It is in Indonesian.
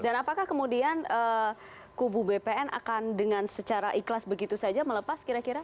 dan apakah kemudian kubu bpn akan dengan secara ikhlas begitu saja melepas kira kira